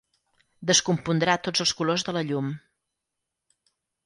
Descompondrà tots els colors de la llum.